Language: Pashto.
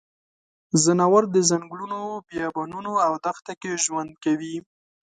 ځناور د ځنګلونو، بیابانونو او دښته کې ژوند کوي.